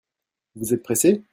Vous êtes pressé ?